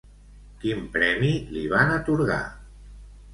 Quin premi li van atorgar?